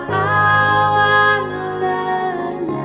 dan tuhan yang menerima